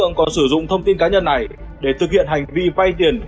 ngoài sử dụng thông tin của b hai để rút tiền